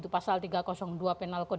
pasal tiga ratus dua penal code